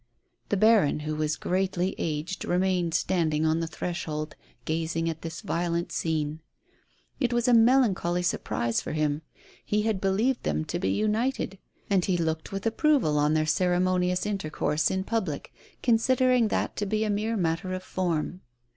The baron, who was greatly aged, remained standing on the threshold, gazing at this violent scene. It was a melancholy surprise for him. He had believed them to be united, and he looked with approval on their cere monious intercourse in public, considering that to be a mere matter of form.